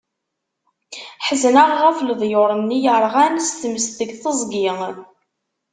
Ḥezneɣ ɣef leḍyur-nni yerɣan s tmes deg teẓgi.